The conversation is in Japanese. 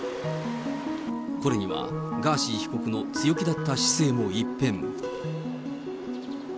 これには、ガーシー被告の強気だった姿勢も一変。